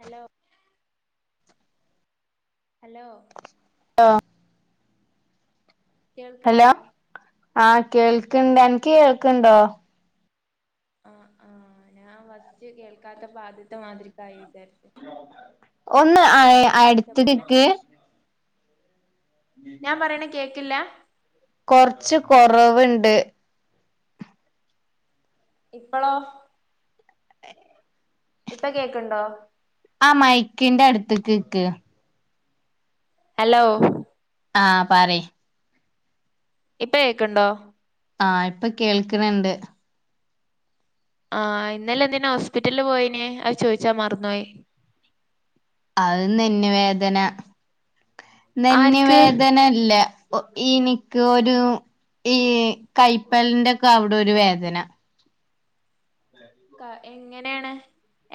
Hello hello [unintelligible] hello കേൾക്ണ്ടോ? ആഹ് കേൾക്ണ്ട്. അൻക്ക് കേൾക്ണ്ടോ? ആഹ് ആഹ് ഞാൻ വസ്റ്റ് കേൾക്കാത്തപ്പ ആദ്യത്തെ മാതിരിക്കായി വിചാരി ഒന്ന് അയ് വിളിച്ച പോലെ അടുത്തിക്കിക്ക്. ഞാൻ പറിണെ കേക്കില്ല? കൊർച്ച് കൊറവ്ണ്ട്. ഇപ്പളോ? ഇപ്പ കേക്ണ്ടോ? ആ മയ്ക്കിന്റെ അടുത്ത്ക്ക് ക്ക്. ഹെലോ. ആഹ് പറി. ഇപ്പ കേക്ണ്ടോ? ആഹ് ഇപ്പ കേൾക്ണ് ണ്ട്. ആഹ് ഇന്നലെ എന്തിനാ ഹോസ്പിറ്റൽല് പോയിന്യേ. അത് ചോയിച്ചാൻ മർന്നോയി. അഹ് നെന്നു വേദന. നെന്ന് ആർക്ക് വേദനല്ല ഇന്ക്ക് ഒരു ഈ കയ്പ്പൽന്റെ ഒക്കെ അവ്ടെ ഒരു വേദന. ക എങ്ങനേണ്?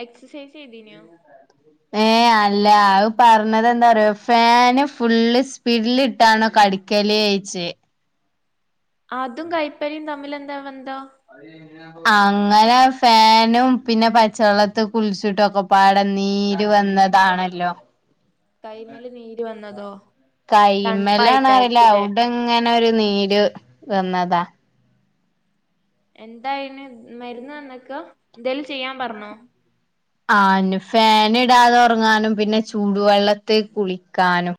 എക്സസൈസ് ചെയ്തി ഏഹ് അ അല്ല അത് പറഞ്ഞത് എന്താറോ ഫാന് ഫുള്ള് സ്പീഡില് ഇട്ടാണോ കട്ക്കല് എയ്ച്ച് അതും കൈപ്പരിയും തമ്മിലെന്താ ബെന്തം പണി കഴിഞ്ഞ അങ്ങനെ ഫാനും പിന്നെ പച്ചവെള്ളത്തി കുളിച്ചിട്ടു ഒക്കെപാടെ നീര് വന്ന് താണല്ലോ കൈമേല് നീര് വന്നതോ തണുപ്പായിരിക്കുല്ലേ? ങ്ങനെ ഒരു നീര് വന്നതാ എന്തായിന് മരുന്ന് തന്നക്ക എന്തേലും ചെയ്യാൻ പറഞ്ഞോ? ആഹ് ന് ഫാന് ഇടാതെ ഉറങ്ങാനും പിന്നെ ചൂടുവെള്ളത്ത് കുളിക്കാനും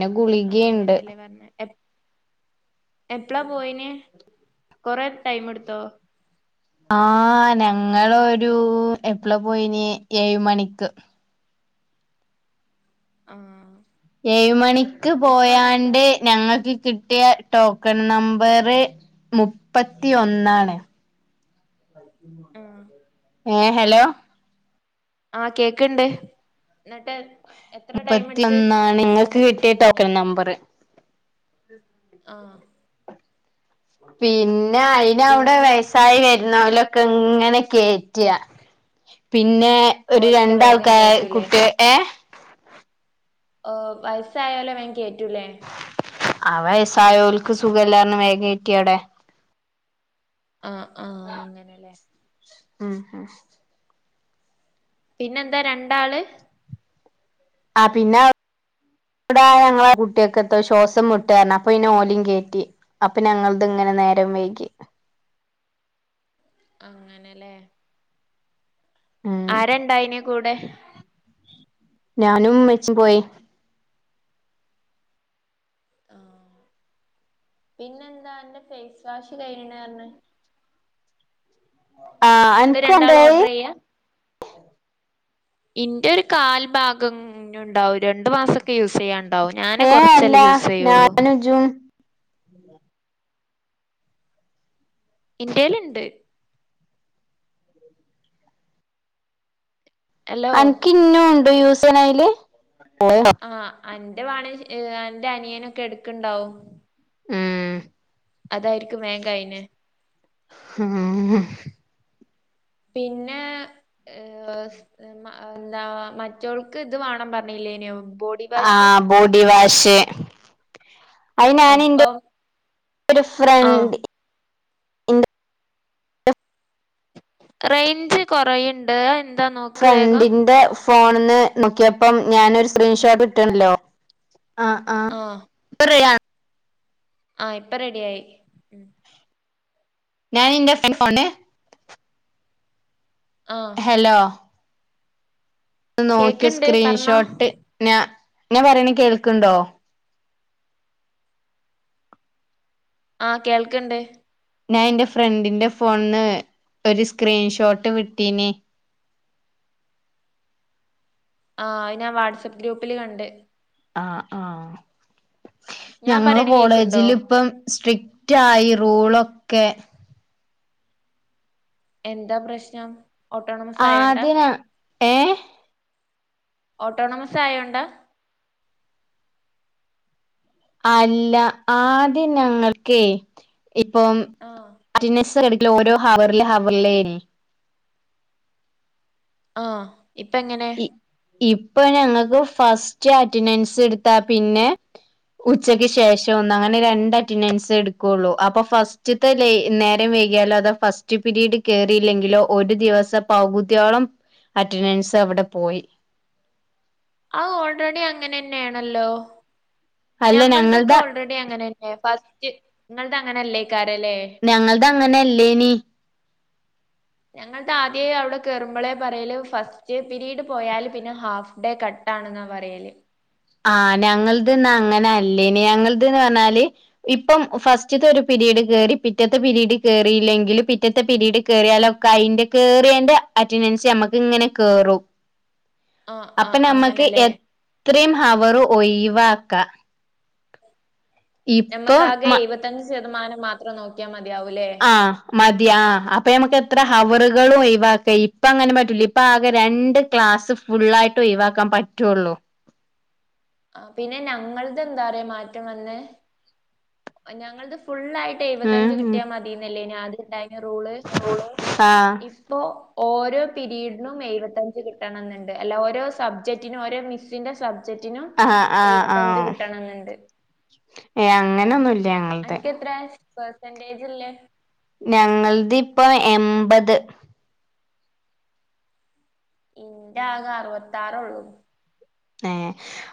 ന്നെ ഗുളികീണ്ട് പറഞ്ഞെ എപ് എപ്പളാ പോയിനെ കൊറെ ടൈം എട്ത്തോ ആഹ് ഞങ്ങളൊരു എപ്പള പോയിനെ ഏഴ് മണിക്ക് ആഹ് ഏഴ് മണിക്ക് പോയാണ്ട് ഞങ്ങൾക്ക് കിട്ടിയ ടോക്കൺ നമ്പറ് മുപ്പത്തി ഒന്നാണ് ആ ഏ ഹലോ ആഹ് കേക്ക്ണ്ട് എന്നിട്ട് എത്ര ടൈം എടുത്ത് മുപ്പത്തിയൊന്നാണ് ങ്ങൾക്ക് കിട്ടിയാ ടോക്കൺ നമ്പറ്. ആഹ് പിന്നെ അയിന് അവിടെ പിന്നെ വയസ് സായി വരുന്നവലൊക്കെ ഇങ്ങനെ കേറ്റ പിന്നെ. ഒരു ഓലൊക്കെ വേഗം രണ്ടാൾക്കാ കേറ്റൂലേ കുട്ടി ഏഹ് ഓ വയസ്സായൊലെ വേം കേറ്റൂല്ലേ. ആഹ് വയസ്സായോൽക്ക് സുഖല്ലർഞ്ഞ് വേ കേറ്റി അവിടെ. ആഹ് ആഹ് ഉം ഹ് പിന്നെന്താ രണ്ടാള് ആഹ് പിന്നെ. ഇവിട് [inaudible] കുട്ടിയൊക്കെ എത്തോ ശ്വാസം മുട്ടാന്നറിഞ്ഞ അപ്പൊ പിന്നെ ഓലെയും കേറ്റി. അപ്പൊ ഞങ്ങളത് ഇങ്ങനെ നേരം വൈകി. അങ്ങനെ ലേ... ഉം ആരണ്ടായിനെ കൂടെ? ഞാനും മ്മച്ചിം പോയി. ആഹ് പിന്നെന്താ ഇന്റെ ഫേസ് വാഷ് കഴിയണ പറഞ്ഞെ. ആഹ. നിങ്ങള് രണ്ടാള് ഓർഡർ ചെയ്യാ? ഇന്റെ ഒരു കാൽ ഭാഗം ഇനിം ഉണ്ടാവും രണ്ടു മാസൊക്കെ യൂസ് ചെയ്യാണ്ട്. ഉണ്ടാവും ഞാന് കുറച്ചല്ലേ യൂസ് ചെയ്യുള്ളൂ. ജും ഇന്റെല് ഇണ്ട് ഹലോ അനക്കിന്നും ഉണ്ട് യൂസേനയില്. ആ് അന്റെ വാണെ അന്റെ അനിയനൊക്കെ എടുക്കണ്ടാവും. ഉം. അതായിരിക്കും വേഗം കഴിഞ്ഞേ. ആഹ്. പിന്നെ ഏഹ്... എന്താ മറ്റോൾക്ക് ഇത് വേണം പറഞ്ഞില്ലേനോ ബോഡി വാഷ് ആഹ് ബോഡി വാഷ്. അത് ഞാൻ ഇന്റെ അപ്പം ഒരു ആഹ് ഫ്രണ്ട്. എന്റെ റേഞ്ച് കൊറുണ്ട്. ഫ്രണ്ടിന്റെ ഫോണന്ന് നോക്കിയപ്പം ഞാനൊരു സ്ക്രീൻഷോട്ട് കിട്ടണല്ലോ ആഹ് ത്രയ [unintelligible] ആഹ് ഇപ്പെ റെട്യായി ഉം. ഞാന് ഇന്റെ ഫോണ്ട്. ആഹ്. ഹലോ.. നോക്കിയ കേക്ക്ണ്ട് പറഞ്ഞോ സ്ക്രീൻഷോട്ട് ഞാ ഞാൻ പറയണ കേൾക്കണ്ടോ ആ കേൾക്കണ്ട്. ഞാൻ എന്റെ ഫ്രണ്ടിന്റെ ഫോണന്ന് ഒരു സ്ക്രീൻഷോട്ട് വിട്ടീനെ. ആ ഞാൻ വാട്സആപ്പ് ഗ്രൂപ്പില് കണ്ട്. ആ ആ ഞാൻ ഞങ്ങള് പറയണ കേക്ക്ണ്ടോ കോളേജിൽ ഇപ്പം സ്ട്രിക്റ്റ്. ഉറ്റായി റൂളൊക്കെ. എന്താ പ്രശ്നം ഓട്ടോണമസ് ആയണ്ടാ? ആദ്യ ഏഹ് ഓട്ടോണമസായോണ്ട. അല്ല ആദ്യം ഞങ്ങൾക്കെ ഇപ്പം. ആഹ് റ്റൻന്റൻസ് എട്ക്കല് ഓരോ ഹവറില് ഹവറിലേയ്നി. ആഹ് ഇപ്പങ്ങനെ. ഇ ഇപ്പൊ ഞങ്ങക്ക് ഫസ്റ്റ് അറ്റൻഡൻസ് ഇട്ത്താ പിന്നെ. ഉച്ചക്ക് ശേഷോന്ന് അങ്ങനെ രണ്ടറ്റണ്ടൻഡ്‌സ് എടുക്കൊള്ളു അപ്പൊ ഫസ്റ്റ്. ത് ലെ നേരം വൈകിയാലോ അത് ഫസ്റ്റ്പിരീഡ് കേറീലെങ്കിലോ ഒരു ദിവസം പകുത്യോളം. അറ്റനൻസ് അവടെ പോയി. അഹ് ഓൾറെഡി അങ്ങനെന്നേണല്ലോ അല്ല ഞങ്ങൾതൊക്കെ ഞങ്ങൾടെ ഓൾറെ ഇന്റെ അങ്ങനന്നേ ഫസ്റ്റ് ഇങ്ങൾത് അങ്ങനെല്ലയ്ക്കാരലേ. ഞങ്ങളതങ്ങനല്ലയ്നി. ഞങ്ങളതാതേ അവിടെ കേറുമ്പളെ പറയല് ഫസ്റ്റ് പിരീഡ് പോയാല് പിന്നെ ഹാഫ് ഡേ കട്ട് ട്ടാണെന്നാ പറയല്. ആഹ് ഞങ്ങള്ത് ന്നാ അങ്ങനെല്ലയ്നി ഞങ്ങള്ത് ന്ന് പറഞ്ഞാല്. ഇപ്പം ഫസ്റ്റ്ത്തൊരു പിരീഡ്കേറി പിറ്റത്തെ പിരീഡ് കേറിയില്ലെങ്കില് പിറ്റത്തെ പിരീഡ്കേറിയാലോ കയിന്റെ കേറെയെന്റെ അറ്റൻഡൻസമ്മക്കിങ്ങനെ കേറും. ആഹ് അപ്പ ആഹ് നമ്മക്ക് അങ്ങനെല്ലേ എത്രിം ഹവറ് ഒയിവാക്കാ. നമ്മക്കാകെ എയ്പത്തഞ്ച് ശതമാനം മാത്രം നോക്കിയാമതിയാവൂലേ. ആഹ് മതി ആഹ് അപ്പമ്മക്ക് എത്ര ഹവറുകളു ഒ ഴിവാക്ക ഇപ്പങ്ങനെ പറ്റൂലെയ്‌. ഇപ്പ ആകെ രണ്ട് ക്ലാസ് ഫുള്ളായിട്ടൊയിവക്കാം പറ്റുള്ളൂ. ആ പിന്നെ ഞങ്ങളതെന്താറിയോ മാറ്റം വന്നെ ഞങ്ങളത് ഉം ഫുള്ളായിട്ടെയ്പത്തഞ്ച് ഉം കിട്ട്യാമതിനെല്ല്യയിനി അദ്യണ്ടായേ യെ റൂള് ആഹ് ഇപ് പ്പോ ഓരോ പീരീഡിനും എയ് പത്തഞ്ച് കിട്ടണന്ന്ണ്ട് അല്ല ഓരോ സബ്ജക് റ്റിനും ഓരോ മിസിന്റെ സബ് ജറ്റിനും ആഹ് ആഹ് എയ്പത്തഞ്ച് ആഹ് കിട്ടണന്ന്ണ്ട്. ഏഹ് അങ്ങനൊന്നുൽ അന്ക്കത്രെ പെർസ ന്റേജ്ള്ളേ ഞങ്ങളിത്പ്പൊ എൺപത്. ഉം ഇന്റാകറുപത്താറൊള്ളൂ. ഏഹ്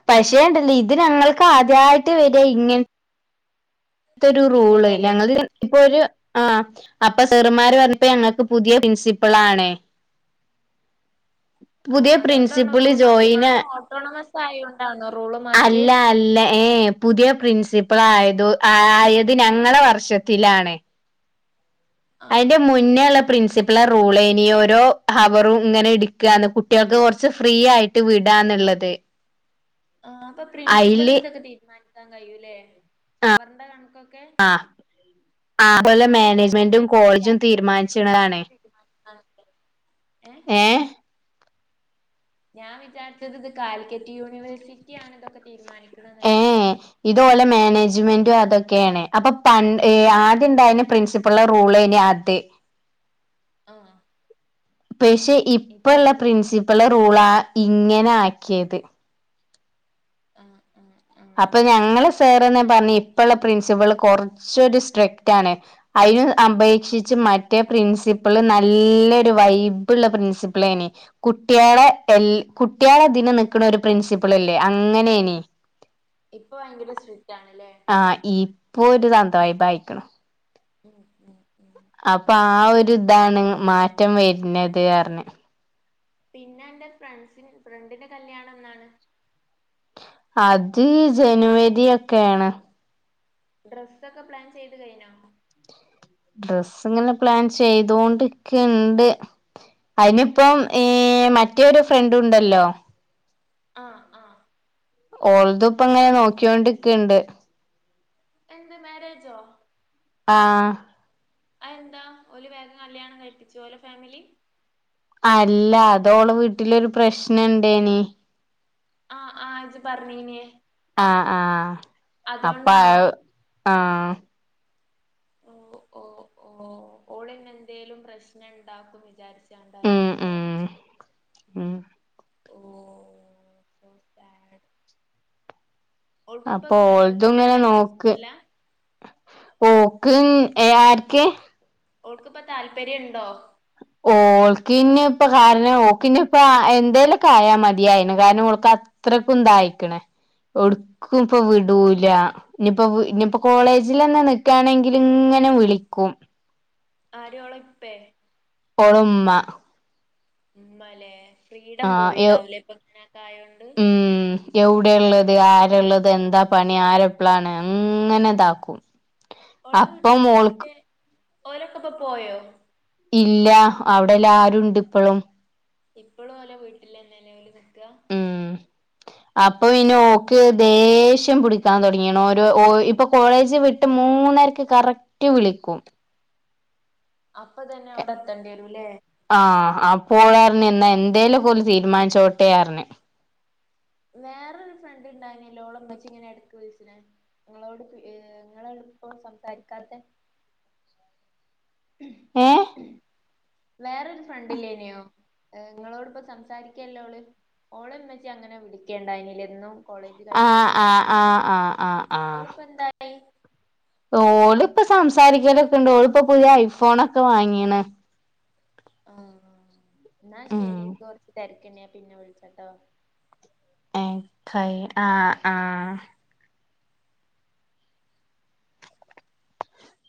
പക്ഷേണ്ടല്ലേ ഇത് ഞങ്ങൾക്കാദ്യായിട്ട് വര ഇങ്ങന ത്തൊ രു റൂള് ഇങ്ങനെല്ലേ ഞങ്ങള്ത്പ്പൊരു. ആഹ് അപ്പൊ സെറുമ്മാര് പ റഞ്ഞപ്പൊ ഞങ്ങൾക്ക് പുതിയ പ്രിൻസിപ്പളാണ്. ആഹ് പുതിയ അതോണ്ടാണോ പ്രിൻസിപ്പിള് റൂൾ ജോയിന് മാറ്റിമാണ് ഓട്ടോണമസ്. പ്പായോണ്ടാണോ റൂള് മാറ്റിയെ. അല്ല അല്ല ഏഹ് ഏഹ് ഇപ്പ പുതിയ പ്രിൻസിപ്പളായതു ആയത് ഞങ്ങളെ വർഷത്തിലാണ്. ആ അയിന്റെ മു ന്നേ ള്ള പ്രിൻസിപ്പിള റൂളാ യിനി ഓരോ ഹവറും ഇങ്ങനെ ഇട്ക്കാന്ന് കുട്ട്യാൾക്ക് കൊറച്ച് ഫ്രീ ആയി. ട്ട് വിടാന്നുള്ളത് ആ അപ്പൊ അയില് പ്രിൻസിപ്പലിന് ഇതൊക്കെ തീരുമാനിക്കാൻ കഴിയൂല്ലേ അവറടെ കണക്കൊക്കെ ആ അതുപോലെ ഞാൻ മാനേജ്മെന്റും കോളേജും വിചാരിച്ചത്എന്ധെലും [unintelligible] തീരുമാനിച്ചതാണ് തീരുമാനത് ഏഹ്. ഏ ഞാൻ വിചാരിച്ചത് ഇത് കാലിക്കറ്റ് യൂണിവേഴ്സിറ്റിയാണ്തൊക്കെ തീരുമാനിക്കണ് വിചാരിച്ച്. ഇതോലെ മാനേജ്മെന്റും അതൊക്കേണ് അപ്പൊ പൺ ഏയ് ആദ്യണ്ടയെ ന്നെ പ്രിൻസിപ്പ ഇപ്പള്ളറൂള്ന് ആത്തി ആഹ്. പഷേ ഇപ്പൊ ഇപ്പള്ളെ പുതിയ പ്രിൻസിപ്പളെ റൂളാ ഇങ്ങനെ ആക്ക്യേത്. ആഹ്. ആഹ് ആഹ് അപ്പാ ഞങ്ങളെസാറെന്നെ പറഞ്ഞ് ഇപ്പള്ളെ പ്രിൻസിപ്പിള് കൊറച്ചൊരു സ്ട്രിക്റ്റാണ്. അയ്ന് അപേക്ഷിച്ച് മറ്റേ പ്രിൻസിപ്പിള് നല്ലൊരു വൈബ്ള്ള പ്രിൻസിപ്പിൾനി കുട്ടികളെ എല്ല കുട്ടികളെ തിനെ നിക്കണ ഒരു പ്രിൻസിപ്പിൾല്ലേ അങ്ങനെനി ഇപ്പൊ ഭയങ്കര സ്ട്രിക്റ്റ് ആണല്ലേ ആഹ ഇപ്പോ ഒരു തന്തവൈബ് ആയിക്കുണ് മ് മ് അപ്പൊ ആ ഒരു ഇതാണ് മാറ്റം വരുന്നത് അർഞ്ഞ് പിന്നെ എന്റെ ഫ്രണ്ട്സി ഫ്രണ്ടിന്റെ കല്യാണം എന്നാണ് അത് ജനുവരി ഒക്കെണ് ഡ്രസ്സ ഒക്കെ പ്ലാൻ ചെയ്ത് കഴിഞ്ഞോ ഡ്രസ്സ് ഇങ്ങനെ പ്ലാൻ ചെയ്തോണ്ടിക്ണ്ട് അതിനിപ്പം ഈ മറ്റേരു ഫ്രണ്ട് ഉണ്ടല്ലോ ആഹ ആഹ ഓൾതുപ്പ ഇങ്ങനെ നോക്കിയോണ്ടിക്കണ്ട് എന്ത് മാരേജോ ആഹ അ എന്താ ഓല് വേഗം കല്യാണം കഴിപ്പിച്ചു ഓലേ ഫാമിലി അല്ല അതോള വീട്ടിലൊരു പ്രശ്നംണ്ടേനി ആഹ് ആഹ് ഇജ്ജ് പറഞ്ഞീനേ ആഹ ആഹ അപ്പ അതോണ്ടാണോ ആഹ് ആ ഓ ഓ ഓ ഓൾന്നെന്തേലും പ്രശ്ന ഉണ്ടാക്കും വിചാരിച്ച ഉം ണ്ടായിരിക്കൂല്ലേ ഉം ഉം ഓ സോ ഓൾക്ക ഇപ്പ അപ്പൊ ഓൾതും കല്യാണം ഇങ്ങനെ കഴിക്കാൻ ഇഷ്ട്ടല്ല പോക്ക് എ ആർക്കെ ഓൾക്കിപ്പോ താല്പര്യം ഉണ്ടോ ഓക് ന്നി പ്പ കാരണം ഒക്കിന്നിപ്പ എന്ധെനെക്കെ ആയാൽ മതിയായിരുന്നു കാരണം ഓൾക് അത്ര അത്രക്കെന്തായിക്കണേ ഒടുക്കും ഇപ്പൊ വിടൂല ഇനിപ്പോ ഇനിയിപ്പോ കോളേജിൽന്നെ നിക്കുകയാണെങ്കിൽ ഇങ്ങനെ വിളിക്കും ആരോള ഇപ്പേ ഓളുമ്മ ഉമ്മലെ ഫ്രീഡം ആഹ് പോയിണ്ടാവലേ ഇപ്പൊങ്ങനക്കെ ആയോണ്ട് എവിടെ ഉള്ളത് ആരള്ളത് എന്താ പണി ആരെപ്പോളാണ് അങ്ങനെ ഇതാക്കും ഓള അപ്പം വീട്ടിത്തെ മോൾക്ക് മറ്റേ ഓലൊക്കെ ഇപ്പൊ പോയോ ഇല്ല അവിടെല്ല ആരുണ്ട് ഇപ്പോഴും ഇപ്പളും ഓലെ വിട്ടല്ലന്നെലെ ഓല് നിക്ക ഉം അപ്പൊ പിന്നെ ഓക്ക് ദേഷ്യം പിടിക്കാൻ തോടഗികുന്നു ഒരേ ഓ ഇപ്പ കോളേജ് വി ട് മൂന്നരക്ക് കറക്റ്റ് വിളിക്കും അപ്പൊ തന്നെ അവിടെ എത്തേണ്ടിരുംല്ലേ ആഹ് അപ്പോ ഓള് റിഞ് എന്തേലൊക്കെ ഓൽ തീരുമാനിച്ചോട്ടെ അറിഞ് വേറരു ഫ്രണ്ട് ഉണ്ടായിന ഓളെ ളം ഇമ്മച്ചി ഇങ്ങനെടക്ക് വിളിച്ചണ നിങ്ങളോട് നിങ്ങളോട് ഇപ്പോ സംസാരിക്കാത്തെ ഏഹ് വേറൊരു ഫ്രണ്ടില്ലേനോ നിങ്ങളോട്പ്പം സംസാരിക്കല്ലോള് ഓള്ന്ന് വെച്ചാ അങ്ങനെ വിളിക്കേണ്ടായിന്യു കോളേജിൽ ആഹ് കഴിയുമ്പോത്തിന് ആഹ് ആഹ് ആഹ് ആഹ് അവളിപ്പോ എന്തായി ഓൾ ഇപ്പ സംസാരിക്കലൊക്കെ ഇണ്ട് ഓള ഇപ്പോ പുതിയ ഐഫോൺക്കെ വാങ്ങിണ് ആഹ എന്നാ ഉം ശരി ൻകൊറച്ച് തിരക്കണ്ണാ പിന്നെ വിളിച്ചട്ടോ എ [unintelligible] ആഹ ആഹ